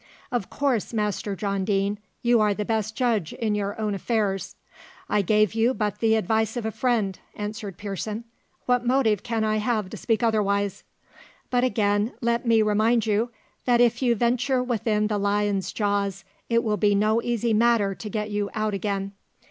"Of course, Master John Deane, you are the best judge in your own affairs. I gave you but the advice of a friend," answered Pearson: "what motive can I have to speak otherwise? But again let me remind you, that if you venture within the lion's jaws it will be no easy matter to get you out again.